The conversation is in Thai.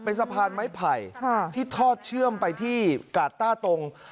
เป็นสะพานไม้ไผ่ที่ทอดเชื่อมไปที่กาดต้าตรง